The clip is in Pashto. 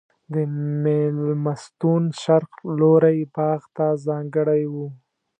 د مېلمستون شرق لوری باغ ته ځانګړی و.